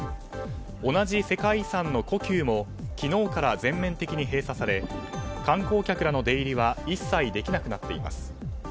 同じ世界遺産の故宮も昨日から全面的に閉鎖され観光客らの出入りは一切できなくなっています。